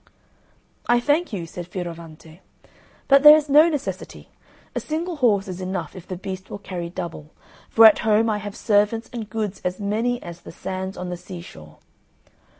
"I thank you," said Fioravante, "but there is no necessity; a single horse is enough if the beast will carry double, for at home I have servants and goods as many as the sands on the sea shore."